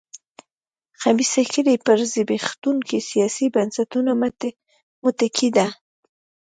خبیثه کړۍ پر زبېښونکو سیاسي بنسټونو متکي ده.